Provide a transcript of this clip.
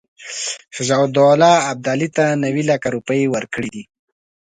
شجاع الدوله ابدالي ته نیوي لکه روپۍ ورکړي دي.